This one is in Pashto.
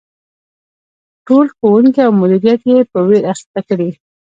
ټول ښوونکي او مدیریت یې په ویر اخته کړي.